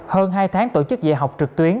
hơn hai tháng tổ chức dạy học trực tuyến